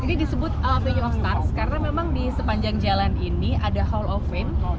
ini disebut venue of stars karena memang di sepanjang jalan ini ada hall of fame